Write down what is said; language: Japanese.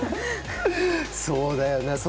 そうだよな。